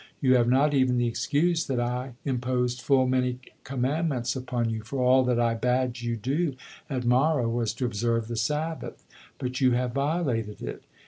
You have not even the excuse that I imposed full many commandments upon you, for all that I bade you do at Marah, was to observe the Sabbath, but you have violated it."